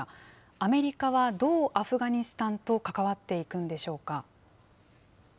アメリカはどうアフガニスタンと関わっていくんでしょうか。